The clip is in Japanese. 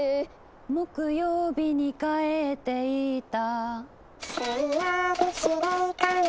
「木曜日に帰っていった」